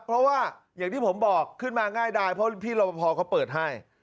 เพราะว่าอย่างที่ผมบอกขึ้นมาง่ายดายเพราะพี่รอปภเขาเปิดให้